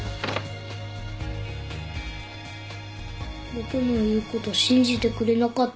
僕の言う事信じてくれなかった。